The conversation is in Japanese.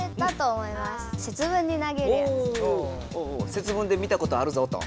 節分で見たことあるぞと。